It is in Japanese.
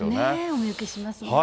お見受けしますね。